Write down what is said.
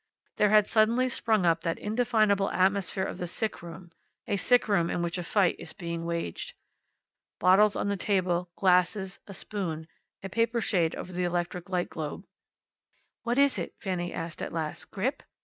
There had suddenly sprung up that indefinable atmosphere of the sick room a sick room in which a fight is being waged. Bottles on the table, glasses, a spoon, a paper shade over the electric light globe. "What is it?" said Fanny, at last. "Grip?